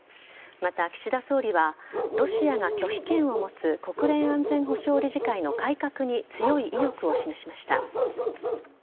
また、岸田総理はロシアが拒否権を持つ国連安全保障理事会の改革に強い意欲を示しました。